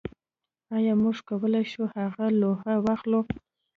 ایا موږ کولی شو هغه لوحه واخلو